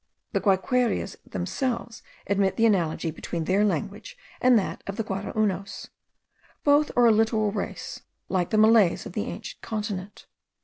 The Guayquerias themselves admit the analogy between their language and that of the Guaraunos. Both are a littoral race, like the Malays of the ancient continent.